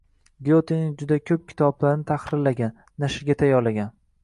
Gyotening juda koʻp kitoblarini tahrirlagan, nashrga tayyorlagan